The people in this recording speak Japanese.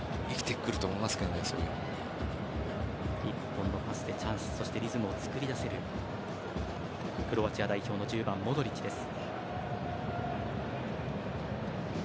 １本のパスでチャンスリズムを作り出せるクロアチア代表の１０番、モドリッチです。